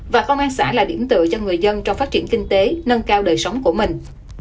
và công an xã là điểm tựa cho người dân trong phát triển kinh tế nâng cao đời sống của mình